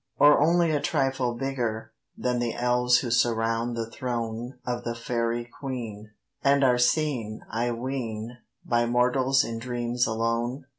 Or only a trifle bigger Than the elves who surround the throne Of the Faëry Queen, and are seen, I ween, By mortals in dreams alone?